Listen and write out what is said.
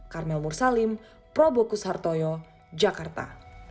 karmel mursalim probokus hartoyo jakarta